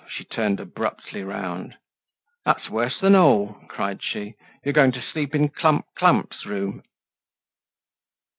She turned abruptly round. "That's worse than all!" cried she. "You're going to sleep in Clump clump's room."